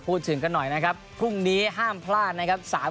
พูดถึงกันหน่อยนะครับพรุ่งนี้ห้ามพลาดนะครับ